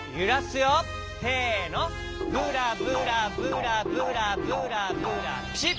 せのブラブラブラブラブラブラピシッ！